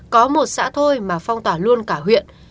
có một xã thôi mà phong tỏa luôn cả huyện